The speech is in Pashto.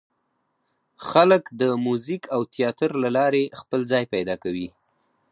خلک د موزیک او تیاتر له لارې خپل ځای پیدا کوي.